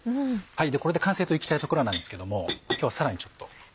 これで完成と行きたいところなんですけども今日はさらにちょっと。